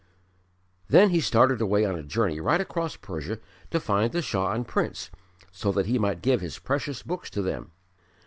Then he started away on a journey right across Persia to find the Shah and Prince so that he might give his precious books to them.